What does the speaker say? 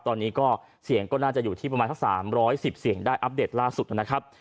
ตอนนี้ก็เสียงก็น่าจะอยู่ที่ประมาณสัก๓๑๐เสียงได้อัปเดตล่าสุดนะครับ